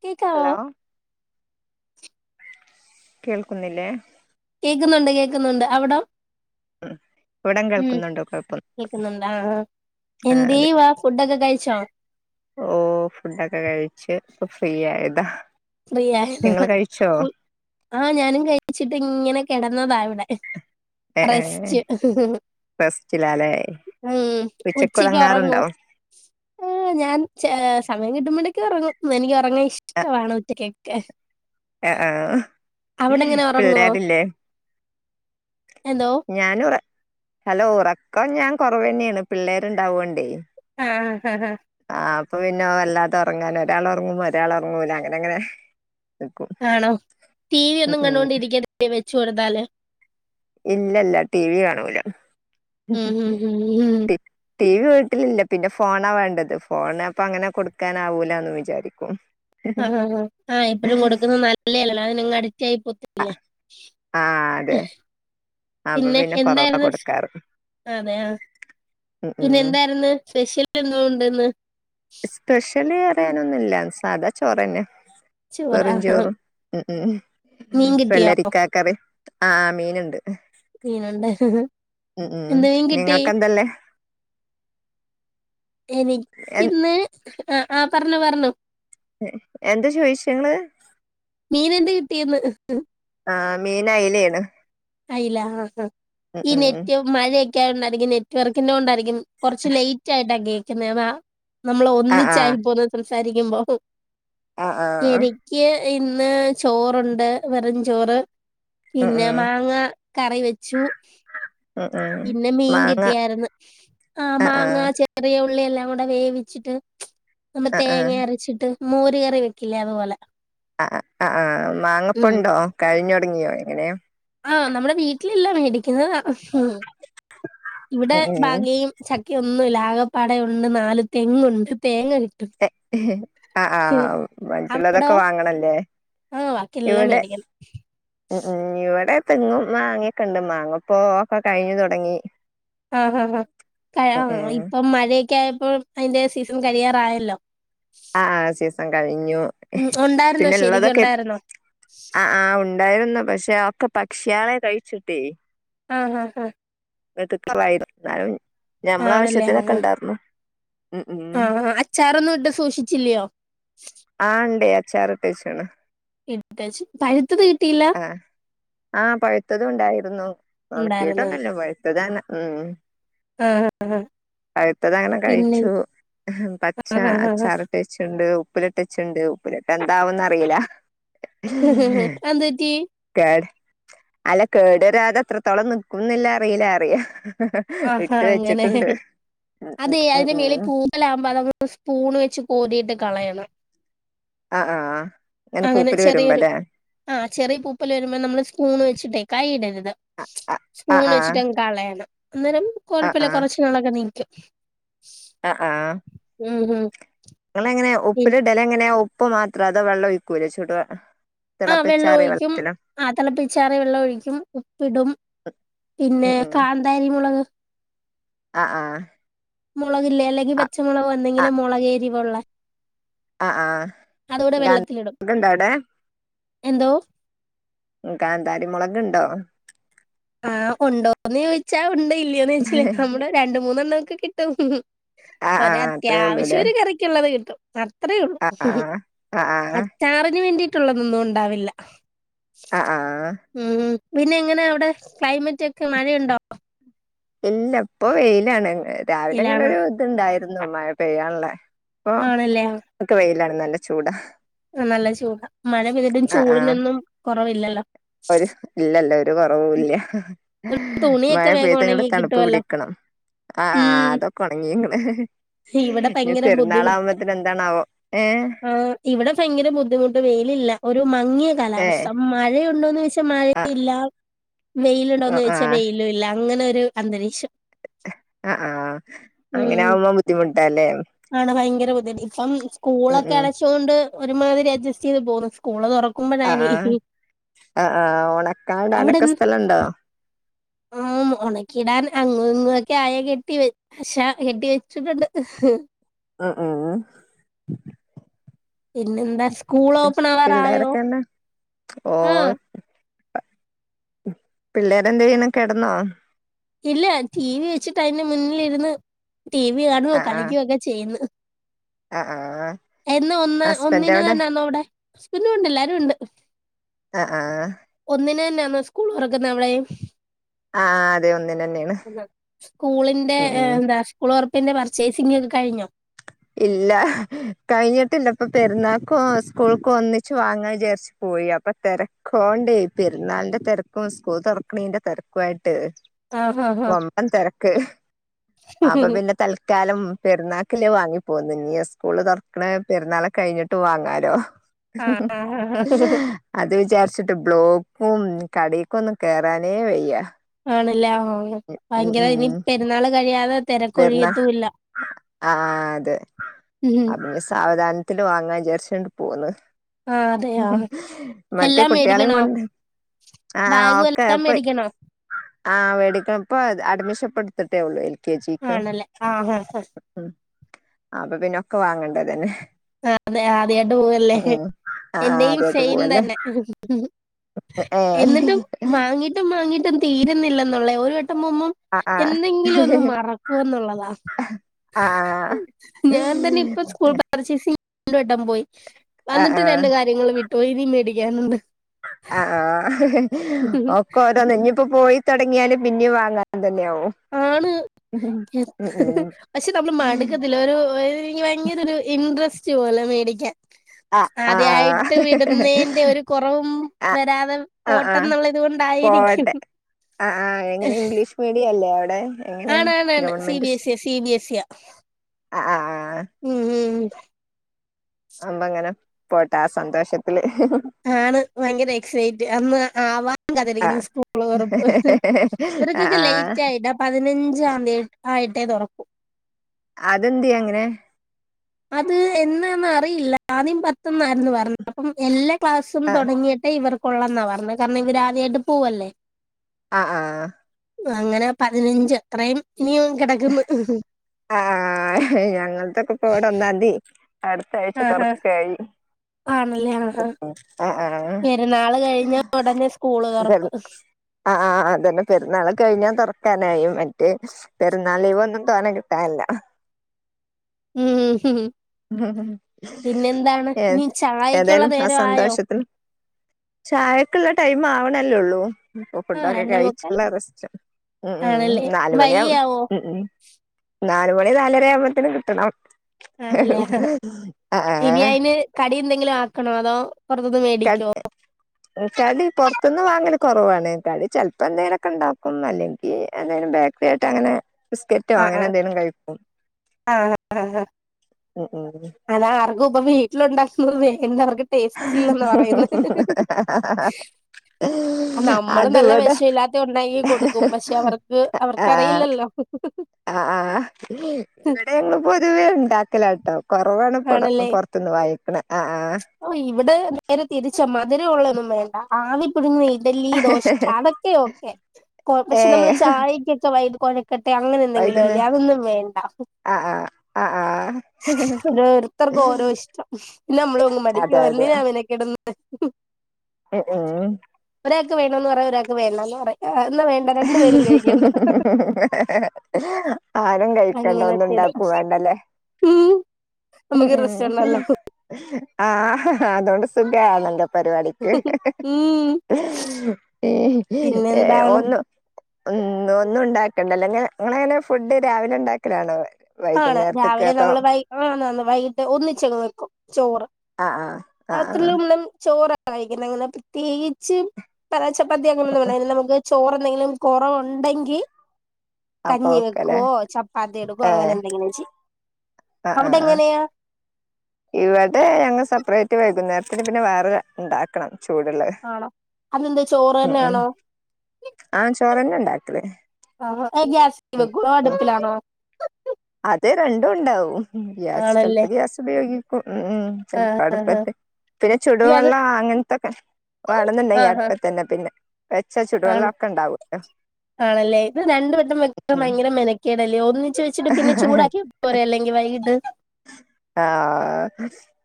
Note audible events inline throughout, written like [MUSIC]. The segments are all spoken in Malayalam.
കേൾക്കാവോ ഹലോ കേൾക്കുന്നില്ലേ കേൾക്കുന്നുണ്ട് കേൾക്കുന്നുണ്ട് അവിടോ ഇവിടം ഉം കേൾക്കുന്നുണ്ടോ കൊഴപ്പം കേക്കുന്നുണ്ട് അ അ ആ അതെ എന്തേവ ഫുഡ ക്കെ കഴി ഓ ഫുഡൊക്കെ കഴിച്ച് ഇപ്പ ഫ്രീ ആയതാ ഫ്രീ ആയതോ നിങ്ങള് കഴിച്ചോ ആ ഞാനും കഴിച്ചിട്ട് ഇങ്ങനെ കിടന്നത ഇവിടെ ഏ ഏ റസ്റ്റ് റെസ്റ്റിലാല്ലേ ഉച്ചക്ക് ഉറങ്ങോ ആ ഞാൻ സമയം കിട്ടുമ്പോടെ എനി ഉറങ്ങും എനിക്ക് ഉറങ്ങാൻ ആ ഇഷ്ടവാണ് കേക്ക ആ ആഹ് ഉറങ്ങോ പിള്ളാരില്ലേ എന്തോ ഞാനുറ ഹലോ ഉറക്കം ഞാൻ കുറവ് തന്നെയാണ് പിള്ളേരുണ്ടാവോണ്ടേ ആ ഹഹ ആ അപ്പൊ പിന്നെ വല്ലാത്ത ഉറങ്ങാൻ ഒരാൾ ഉറങ്ങുമ്പോ ഒരാൾ ഉറങ്ങൂല അങ്ങനെ അങ്ങനെ നിക്കും ആണോ ടി വി ഉം ഒന്നും ഉം കണ്ടൊണ്ടിരിക്ക വെച്ചു കൊടുത്താല് ഇല്ലല്ല ടി വി കാണൂല ഉം ഉം ഉം ഉം ടി വി വീട്ടിലില്ല പിന്നെ ഫോണാ വേണ്ടത് ഫോൺ അപ്പ അങ്ങനെ കൊടുക്കാൻ ആവൂലന്ന് വിചാരിക്കും ആ ഹാ ആ എപ്പോഴും കൊടുക്കുന്ന നല്ലയല്ലല്ലോ അതിന് അങ്ങ് അടിക് [UNINTELLIGIBLE] ആ ആ, അതെ അപ്പൊ പിന്നെ കൊറവാ എന്തായിരുന്നു കൊടുക്കാറ് അതെയ ഉം പിന്നെ ഉം എന്തായിരുന്നു സ്പെഷ്യൽ എന്തോ ഉണ്ട് ഇന്ന് സ്പെഷ്യലി അറിയാനൊന്നും ഇല്ല മിസ്സ് സാദ ചോറ്ന്നെ ചോറ വെറും ചോറും മീൻ കിട്ടിയോ വെള്ളരിക്ക കറി ആ മീനുണ്ട് മീനൊണ്ട് ഉം ഉം നിങ്ങൾക്കന്തല്ലേ എ എനിക്ക് ഇന്ന് ആ ആ പറഞ്ഞു പറഞ്ഞു എന്താ ചോയിച്ചെ ഇങ്ങള് ടീന്ന് ആ മീൻ അയലയാണ് അയില ആ ആ ഇനിത്യോം മഴയും ക്കെയായോണ്ട് ആയിരിക്കും നെറ്റ് വർക്കിൻ്റെ കൊണ്ടാരിക്കും ന്ന് കുറച്ച് ലേറ്റ് ആയിട്ടക്കെ പിന്നെ വാ നമ്മള് ആ ഒന്നിച്ചായ് പോ സാരിക്കുമ്പോ ആ ആ ആ ഇന്ന് ചോറൊണ്ട് വെറും ചോറ് ഉം പിന്നെ ഉം മാങ്ങ കറി വെച്ചു ഉം ഉം പിന്നെ മീൻ മാങ്ങ കിട്ടിയാരുന്ന് ആ മാങ്ങ ചെറിയ ഉള്ളിയെല്ലാം കൂടെ വേവിച്ചിട്ട് നമ്മ ആ ആ തേങ്ങ ആ അരച്ചിട്ട് മോര് കറി വെക്കില്ലേ അതുപോലെ. ആ ആ ആ ആ മാങ്ങപ്പുണ്ടോ കഴിഞ്ഞൊടങ്ങിയോ? അതെങ്ങനെയ ആ നമ്മുടെ വീട്ടിലില്ല മേടിക്കുന്നതാ. ഉം ഇവിടെ ഉം ഉം മാങ്ങയും ചക്ക എനിക്കൊന്നൂല്ല ആകപ്പാടെ ഉണ്ട് നാല് തെങ്ങുണ്ട് തേങ്ങ കിട്ടും ആ ആ അവിടോ മറ്റുള്ളതൊക്കെ വാങ്ങണംല്ലേ ആഹ് ബാക്കിയെല്ലാം ഇവിടെ മേടിക്കണം ഉം ഉം ഇവിടെ തെങ്ങും മാങ്ങേക്ക ഉണ്ട് മാങ്ങപ്പൊ ഒക്കെ കഴിഞ്ഞു തുടങ്ങി. ആഹ ഹ ഹ ഉം ക ഉം ഇപ്പം മഴെ ക്കെ ആയപ്പോം അതിന്റെ സീസൺ കഴിയാറായല്ലോ? ആ ആ സീസൺ കഴിഞ്ഞു. ഉം ഉണ്ടായിരുന്നോ ശരിക്കും പിന്നെള്ളതൊക്കെ ഉണ്ടായിരുന്നോ ആ ആ ഉ ഇണ്ടായിരുന്നു പക്ഷെ ഒക്കെ പക്ഷിയാളെ കഴിച്ചിട്ടേ ആ ആ ആ [UNINTELLIGIBLE] ഞമ്മള ആവശ്യത്തിനൊക്കെ ഇണ്ടാർന്നു ആ അച്ചാറൊന്നും ഇട്ട് സൂക്ഷിച്ചില്ലയോ? ആ ഉണ്ടേ അച്ചാറിട്ട് വെച്ചേക്കണ് ഇട്ടേച്ചു പഴു പഴുത്തത് കിട്ടീല ആ ആ പഴുത്തതും ഉണ്ടായിരുന്നു. ഉണ്ടായിരുന്നോ ഒണക്കീട്ടൊന്നും ഇല്ല പഴുത്തത് തന്നേ. ഉം ഉം ആഹ് ആഹ് പഴുത്തത് അങ്ങനെ പിന്നെ കഴിച്ചു. പച്ച ആഹ് ആഹ് ആഹ് അച്ചാറിട്ട് വെച്ചിട്ടുണ്ട് ഉപ്പിലിട്ടച്ചിട്ടുണ്ട് ഉപ്പിലി എന്താവൊന്ന് അറിയില്ല അതെന്തേ കേട് അല്ല കേട്വരാതെ അത്രത്തോളം നിക്കുംന്നല്ല അറിയില്ല അറിയ ആഹാ ഇട്ട് അങ്ങനെ വെച്ചിട്ടുണ്ട് ഉം അതെ ഉം അതിന്റെ ഉം മേളിൽ ഉം പൂക്കള ആകുമ്പോ അതമ്മേ സ്പൂണ് വെച്ച് കോരീട്ട് കളയണം ആഹ് ആഹ് ആഹ് ഇങ്ങനെ അങ്ങനെ പൂപ്പല് ചെറിയൊരു വരുമ്പല്ലേ ആ ചെറിയ പൂപ്പല് വരുമ്പോ നമ്മള് സ്പൂണ് വെച്ചിട്ടേ കൈ ഇടരുത് ആഹ് സ്പൂൺ ആഹ് ആഹ് വെച്ചിട്ട് അങ്ങ് കളയണം അന്നേരം കുഴപ്പല്ല കുറച്ച് നാളൊക്കെ നിക്കും ആ ആ ഉം ഹും ങ്ങഎങ്ങനെ ഉപ്പില് ഇടല് എങ്ങനെയാ ഉപ്പ മാത്രം അതോ വെള്ളം ഒഴിക്കൂല ചുടാ ആ വെള്ളം ഒഴിക്കും ആതിളപ്പിച്ചാറി വെള്ളം ഒഴിക്കും ഉപ്പിടും പിന്നെ കാന്താരി മുളക് ആ ആ മുളകില്ലേ അല്ലെങ്കിൽ പച്ചമുളക് വന്നെങ്കിലും മുളകേരിയും ഉള്ളെ ആ ആ വെള്ളത്തിലിടും ഗാന്ധ ഇണ്ട അവിടെ എന്തോ കാന്താരി മുളക്ണ്ടോ ആ് ഉണ്ടോന്ന് ചോദിച്ചാ ഉണ്ട് ഇല്ല്യൊന്നു ചോയിച്ചാല് ആഹ് നമ്മുടെ രണ്ട്മൂന്നെണ്ണോ ക്കെ കിട്ടും ഒര് ആഹ് അത്രേ ഉള്ളൂല്ലേ അത്യാവശ്യ ഒരു കറിക്കുള്ളത് കിട്ടും അത് അത്രേ ഉള്ളു ആഹ് ആഹ് ആഹ് അച്ചാറിനു വേണ്ടി ള്ളതൊന്നും ഉണ്ടാവില്ല ആഹ് ആഹ് ഉം പിന്നെ എങ്ങനെയ അവിടെ ക്ലൈമറ്റ് ഒക്കെ മഴയുണ്ടോ ഇല്ല ഇപ്പോൊ വെയിലാണ് രാവിലെ അങ്ങനെ ഇലാണ് ഒരു ഇത്ണ്ടായ [UNINTELLIGIBLE] അ പെയ്യണല്ലേ ഓ ആണല്ലേ ഒക്കെ വെയിലാണ് നല്ല ചൂടാ നല്ല ചൂടാ മഴ പെയ്തിട്ടും ആഹ് ആഹ് ചൂടിനൊന്നും കൊ കുറവ ഇല്ലോ ഒരു ഇല്ലല്ല കുറവല്ല മഴ തുണിയൊക്കെ വേഗം പെയയത് ഇങ്ങ ഉണങ്ങി തണുപ്പ് കിട്ടുമല്ലോ പിടിക്കണം ആ് ഉം അതൊക്കെ ഉണങ്ങിങ്ങ ഇവിടെ ഇ പെരുന്നാള ആകുമ്പോത്തന് എന്താണാവോ ഏഹ് ആ് ഇവിടെ ഭയങ്കര ബുദ്ധിമുട്ട് വെയിലില്ല ഒരു മങ്ങിയ ഏഹ് കാലാവസ്ഥ മഴയു ഉണ്ട ഴ ആഹ് ഇല്ല വെയിലുണ്ടോന്ന് ആഹ് ദിച്ചാൽ വെയിലും ഇല്ല അങ്ങനെ ഒരു അന്തരീക്ഷം ആഹ് ആഹ് ഉം അങ്ങനെ ആവ്പ ബുദ്ധിമുട്ടല്ലേ ആണ് [UNINTELLIGIBLE] ഇപ്പം സ്കൂളൊക്കെ അടച്ചൊണ്ട് ഒരുമാതിരി അഡ്ജസ്റ്റ് ചെയ്ത് പോകുന്നു സ്കൂള് തുറക്ക ആ ആ ആ ഉണക്കാടാനൊക്കെ സ്ഥലണ്ടോ ആ ഉണക്കി ഇടാൻ അങ്ങങ് ഇങ്ങൊക്കെ ആയാ കെട്ടി വെ പക്ഷാ എട്ടി വെച്ചിട്ടുണ്ട് ആ ആ ആ പിന്നെന്താ സ്കൂൾ ഓപ്പൺ ആവാറായോ പിള്ളേരൊക്കെന്നാ ആ പിള്ളേരെന്ത ചെയ്യന കെടന്നോ ഇല്ല ടി വി വെച്ചിട്ട് അതിന്റെ മുന്നിലിരുന്ന് ടി വി കാണുമോ ആ ആ കളിക്കുവ ഒക്കെ ചെയ്യുന്നു ആ ആ എന്ന ഒന്ന് ഹസ്ബൻഡ് ഒന്നിന് എവിടെ തന്നെന്ന അവിടെ പിന്നുംണ്ട്ല്ലാരും ഉണ്ട് ആ ആ ഒന്നിനന് തന്നെ സ്കൂൾ തൊറക്കുന്ന അവളെ ആഹ് അതെ ഒ സ്കൂളിന്റെ ഉം എന്താ സ്കൂളൊ ഇ എന്റെ പർച്ചേസിംഗ് ഒക്കെ കഴിഞ്ഞോ ഇല്ല കഴിഞ്ഞിട്ടില്ല ഇപ്പൊ പെരുന്നാൾക്കും സ്കൂൾക്ക ഒന്നിച്ചു വാങ്ങാൻ വിചാരിച്ചു പോയി അപ്പൊ തിരക്കോണ്ടേ പെരുന്നാളിന്റെ തിരക്കും സ്കൂൾ തിറക്കണീന്റെ തിരക്കുയിട്ട് ആഹാ ഹാ. ട്ട് വമ്പൻ തിരക്ക് അപ്പൊ പിന്നെ തൽക്കാലം പെരുന്നാക്കില് വാങ്ങി അപ്പൊ നീ സ്കൂള് തുറക്കണ പെരുന്നാളെ കഴിഞ്ഞിട്ട് വാങ്ങാലോ ആ, ആ, ആ. അത് വിചാരിച്ചിട്ട് ബ്ലോക്ക് ഉം കടക്കൊന്നും കേയറാനേ വയ്യ ആണല്ലേ ആ ഉം ഭയങ്കര ഉം ഇനി പെരുന്നാൾ കഴിയാതെ പെരുന്നാ തിരക്കൊഴിയത്തൂല്ല അ സാവധാന വാങ്ങാൻ ചേർച്ചിയണ്ട് പോകന്ന് ആ അതെയ എല്ലാം കുട്ടികളെയും മേടിക്കണോ കൊണ്ട് ബാഗും എല്ലാം മേടിക്കണോ ആ് മേടിക്കണ ഇപ്പ അഡ്മിഷൻ പടുത്തിട്ടേ ഉള്ളൂ എനി ആണല്ലേ ആഹ ഹഹ ആ അപ്പൊ പിന്നെ ഒക്കെ വാങ്ങണ്ടേത് തന്നെ അതെ ആദ്യായിട്ട് പോവല്ലേ, ആഹ് എന്റെയും ആദ്യായിട്ട് സെയിം പോവല്ലേ തന്നെ ഏഹ് എന്നിട്ടും മാങ്ങിട്ടും മാങ്ങിട്ടും. തീരുന്നില്ലെന്നുള്ള ഒരു മും മും ആഹ് എന്തെങ്കിലും ഒന്ന് മറക്കും എന്നുള്ളതാ, ആഹ് ആഹ് ഞാൻ തന്നെ ഇപ്പ സ്കൂൾ [UNINTELLIGIBLE] പോയി ആഹ് വന്നിട്ട് ആഹ് രണ്ട് കാര്യങ്ങള് വി ടോയി ഇനി മേടിക്കാനുണ്ട്. ആഹ ഒക്ക ഒരോന്ന് ഇനിയിപ്പ പോയി. തെടങ്ങിയാലും പിന്നെ വാങ്ങാ ആണ് ഉം ഉം പക്ഷെ നമ്മള് മടുക്കത്തില്ല. ഒരു ഒര് ഇങ്ങനൊരു ഇൻട്രസ്റ്റ്. ഇച്ചു പോലെ മേടിക്കാൻ. ആ ആ ആദ്യമായിട്ട് വിടുന്നതിന്റെ ഒരു കുറവും ആ വരാതെ ആ ആ പോട്ടെന്നുള്ള ഇത് കൊണ്ടായിരിക്കും പോവട്ടെ ആ ആ എങ്ങനെ ഇംഗ്ലീഷ് മീഡിയം അല്ലേ. ഡേ ആണാണാണ് C BS C, C. BS C ആ ആ ആ ആ ഉ ഉ. അമ്പങ്ങനെ പോട്ട ആ സന്തോഷത്തില്. ആണ് വയങ്കര എക്സൈറ്റ്. അന്ന് ആവാൻ ആ കാത്തിരിക്കണ് സ്കൂള് തുറപ്പ് ആ ഇവർക്കൊക്കെ ആ ലേറ്റ് ആയിട്ട് ആ പതിനഞ്ചാം തിയതി ആയിട്ട് ട്ടെ തുറക്കും അതെന്ത്യാ അങ്ങനെ. അത് എന്നാന്ന് അറിയില്ല. ആദ്യം പത്തുന്ന് ആയിരുന്നു പറഞ്ഞത്. അപ്പം എല്ലാ ക്ലാസും ആ തുടങ്ങിയിട്ടെ ഇവർക്ക്. കൊള്ളെന്നാ [UNINTELLIGIBLE] ഇവര് ആദ്യായിട്ട് പോൂവല്ലേ ആഹ ആഹ അങ്ങനെ പതിനഞ്ച് എത്രയും. ആ ഞങ്ങക്കൊക്ക [UNINTELLIGIBLE] ഒന്നാതി. അടുത്ത ആഴ്ച ആഹാ. തുറയ്ക്കായി. ആണല്ലേ ആഹ ആ സ്കൂള് തുറപ്പ്. ആ അതന്നെ പെരുന്നാള് കഴിഞ്ഞാൽ തുറക്ക [UNINTELLIGIBLE] മറ്റ് പെരുന്നാൾ ലീവ് ഒന്നും തോൻ എടുത്താനല്ല. ഉം ഉ മ് മ് ഏ ഇനി ചായക്കുള്ള ഏതായാലും ആ നേരം ആയോ? സന്തോഷത്തിന് ചായക്കൊള്ള ടൈം ആവണല്ലേ ഉള്ളൂ ആ ഫുഡൊക്കെ രണ്ടേ മുക്കാൽ കഴിച്ചുള്ള റസ്റ്റ് മ് മ് ആണല്ലേ. നാലുമണിയാവും വൈകിയാവോ? മ് മ് നാല് മണി നാലര ആവുമ്പോത്തേന് കിട്ടണം ആണല്ലേ ഹ ഇനി ആഹ് അയിന് കടി എന്തെങ്കിലും ആക്കണോ അതോ [UNINTELLIGIBLE] പുറത്തുന്ന് മേടിക്കോ ത്തന്ന് വാങ്ങല് കുറവാണ് കടി ചിലപ്പോം എന്തേലൊക്കെ ഉണ്ടാക്കും അല്ലെങ്കിൽ എന്തേലും ബേക്കറി ആയിട്ട് അങ്ങനെ ബിസ്ക്കറ്റോ ആ അങ്ങനെ ആ എന്തെങ്കിലും കഴിക്കും ആ ഉം ഉം അത ആർക്കും ഇപ്പ വീട്ടിലുണ്ടാക്കുന്നേ വേ എന്താവർക്ക് ടേസ്റ്റല്ലെന്ന് പറയുന്നു നമ്മള് അത് നല്ല ഇവിടെ വിഷ ഇല്ലാത്ത ഉണ്ടങ്കി കൊടുക്കും പക്ഷെ അവർക്ക് അവർക്കറിയില്ലല്ലോ ആ ആ ഇവിടെ ങ്ങള് പൊതുവേ ഉണ്ടാക്കലട്ടോ കുറവാണ് ആണല്ലേ പുറത്തുന്ന് വാങ്ങിക്ക്ണെ ഓ ഇവിടെ നേരെ തിരിച്ചം മധുരവുള്ളേയേന്നും വേണ്ട ആവി പുഴുങ്ങി ഇഡലി ദോശ ആഹ് അതൊക്കെയ ഓക്കെ പക്ഷെ നമ്മള് ഏഹ് ചായക്കൊക്കെ വൈ കട്ടെ അങ്ങനെ എന്തെങ്കിലും വൈകുന്നേ അല്ലേ അതൊന്നും വേണ്ട ആഹ് ആഹ് ആഹ് ആഹ് ഓരോരുത്തർക്ക് ഓരോ ഇഷ്ടം പിന്നെ നമ്മളങ്ങ് മടിക്കും എന്തിനാമെനക്കെടു [INAUDIBLE] മ് മ് ഒരാൾക്ക് വേണന്ന് പറയാ ഒരാൾക്ക് വേണന്ന് പറയും എന്നാ വേണ്ട രണ്ടു പേരും കഴിക്കണ്ട ആരും കഴിക്കണ്ട ഒന്നും അങ്ങനത്തെടാ ഉണ്ടാക്കും വേണ്ടല്ലേ ഉം നമുക്ക് റെസ്റ്റ് ഉണ്ടല്ലോ ആ അതുകൊണ്ട് സുഖ ആണല്ലോ പരിപാടിക്ക് ഉം ഏ പിന്നെന്താണ് ഒന്നു ഒന്ന് ഒന്നും ഉണ്ടാക്കണ്ടല്ലോങ്ങന നിങ്ങ അങ്ങനെ ഫുഡ് രാവിലെ ഉണ്ടാക്കലാണോ ആണ് വൈകുന്നേരത്തേക്ക് രാവിലെ അതോ നമ്മള് വൈ ആ നന്ന് വൈകിട്ട് ഒന്നിച്ചങ്ങ് വെക്കും ചോറ് ആഹ് ആഹ് ആഹ് ആഹ് രാത്രിലും ചോറ് വായിക്കണം അങ്ങനെ പ്രത്യേകിച്ച് പറ ചപ്പാത്തി [UNINTELLIGIBLE] നമുക്ക് ചോറെന്തെങ്കിലും കൊറവോണ്ടെങ്കി അപ്പൊ കഞ്ഞി ഓക്കെല്ലേ വെക്കുവോ ചപ്പാത്തി എടുക്കോ ഏഹ് അങ്ങനെ എ [UNINTELLIGIBLE] ആഹ് അവിടെ ആഹ് ആഹ് എങ്ങനെയാ ഇവിടെ ഞങ്ങൾ സെപ്പറേറ്റ് വൈകുന്നേരത്തിന് പിന്നെ വേറെ ഉണ്ടാക്കണം ചൂടുള്ളത് ആണോ അതെന്താ ചോറ് ഉം ഉം തന്നൊണോ ആഹ് ചോറന്നെ ഉണ്ടാക്കല് ആ ഗ്യാസിൽ വെക്കുമോ അടുപ്പിലാണോ. ത് രണ്ടും ഉണ്ടാവും. ഉം ഗ്യാസ് ആണല്ലേ ചിലപ്പോ ഗ്യാസുപയോഗി ഉം ഉം ആഹ് ചിലപ്പോൾ അടുപ്പ് ആഹ് ഒക്കെ ഇത്തിരി അയ്യോ അത് ചൂടുവെള്ളവും അങ്ങനത്തൊക്കെ വേണമെന്നുണ്ടെങ്കിൽ ഈ ആഹ് അടുപ്പിൽ ആഹ് തന്നെ പിന്നെ. വെച്ച ചുടുവെള്ളം ആണ് ഒക്കെ ഉണ്ടാവുല്ലോ ആണല്ലേ ഇത് രണ്ടവട്ടം വെക്കൻ ഉം ഭയങ്കര മെനക്കെടാ . ടല്ലേ ഒന്നി ആഹ് വൈകിട്ട് ആ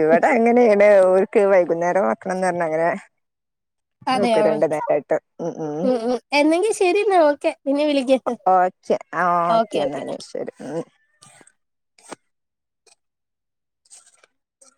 ഇവിടെ അങ്ങനെയാണ് ഒരു. വൈകുന്നേരം വക്കണമെന്ന് പറഞ്ഞ അങ്ങനെ. അതെയോ വെക്കും രണ്ടു നേരമായിട്ട് ഉം ഉം എന്നെങ്കി ശരി എന്നാ ഓക്കെ പിന്നെ വിളിക്കാം ഓക്കെ അപ്പോ ഒക്കെ ഒക്കെ ഓക്കെ എന്നാല് ശരി ഉം.